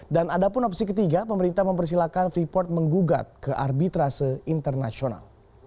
dan ada pun opsi ketiga pemerintah mempersilahkan freeport menggugat ke arbitrase internasional